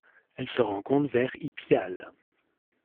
Elle se rencontre vers Ipiales.